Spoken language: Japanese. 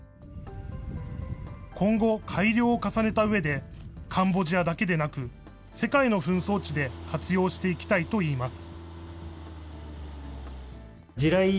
今後、改良を重ねたうえで、カンボジアだけでなく、世界の紛争地で活用していきたいといいます。